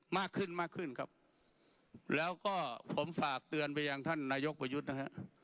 มากขึ้นมากขึ้นครับแล้วก็ผมฝากเตือนไปยังท่านนายกประยุทธ์นะฮะ